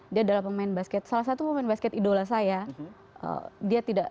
dia adalah salah satu pemain basket idola saya